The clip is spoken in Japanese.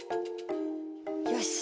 よし！